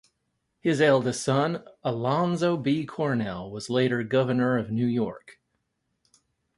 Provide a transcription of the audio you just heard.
His eldest son, Alonzo B. Cornell, was later governor of New York.